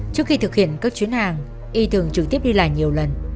trước khi thực hiện các chuyến hàng y thường trực tiếp đi lại nhiều lần